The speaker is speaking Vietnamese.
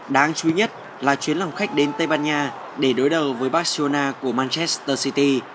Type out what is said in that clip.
đáng chú ý nhất là chuyến lòng khách đến tây ban nha để đối đầu với barcelona của manchester city